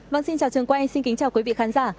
vâng xin chào trường quay xin kính chào quý vị khán giả